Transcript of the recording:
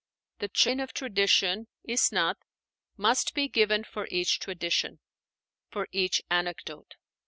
The chain of tradition (Isnád) must be given for each tradition, for each anecdote.